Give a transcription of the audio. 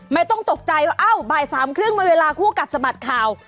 ไม่ต้องตกใจว่าอ้าวบ่าย๓๓๐มันเวลาคู่กัดสมัดข่าว